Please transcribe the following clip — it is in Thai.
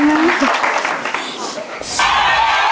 ครอบครับ